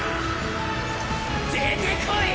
出てこい！